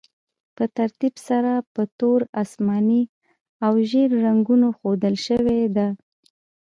په ترتیب سره په تور، اسماني او ژیړ رنګونو ښودل شوي دي.